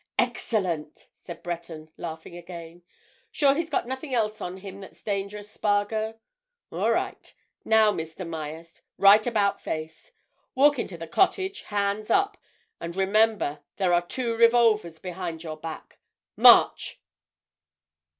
"Excellent!" said Breton, laughing again. "Sure he's got nothing else on him that's dangerous, Spargo? All right. Now, Mr. Myerst, right about face! Walk into the cottage, hands up, and remember there are two revolvers behind your back. March!"